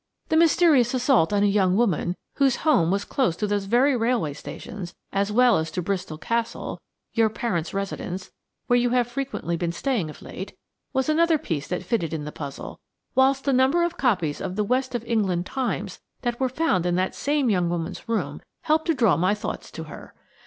The mysterious assault on a young woman, whose home was close to those very railway stations as well as to Bristol Castle–your parents' residence, where you have frequently been staying of late, was another piece that fitted in the puzzle; whilst the number of copies of the West of England Times that were found in that same young woman's room helped to draw my thoughts to her.